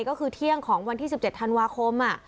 ก็คือเที่ยงของวันที่๑๗ธันวาคม